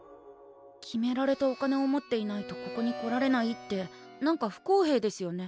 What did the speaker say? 決められたお金を持っていないとここに来られないって何か不公平ですよね。